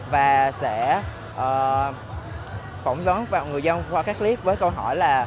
và sẽ phỏng vấn vào người dân qua các clip với câu hỏi là